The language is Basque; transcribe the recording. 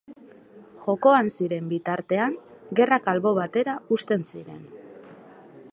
Jokoan ziren bitartean, gerrak albo batera uzten ziren.